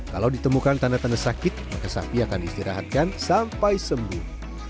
kalau ditemukan tanda tanda sakit maka sapi akan diistirahatkan sampai sembuh